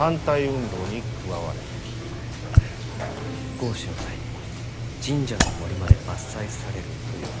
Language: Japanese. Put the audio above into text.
合祀の際に神社の森まで伐採されるということでしょうか？